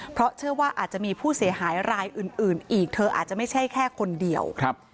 เพราะเชื่อว่าอาจจะมีผู้เสียหายรายอื่นอื่นอีกเธออาจจะไม่ใช่แค่คนเดียวครับ